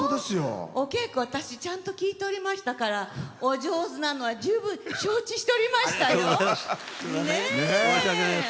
お稽古、ちゃんと聴いておりましたからお上手なのは十分、承知しておりましたよ。